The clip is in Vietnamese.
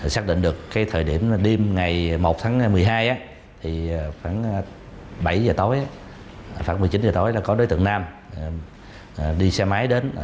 xác định được thời điểm đêm ngày một tháng một mươi hai khoảng bảy giờ tối khoảng một mươi chín giờ tối có đối tượng nam đi xe máy đến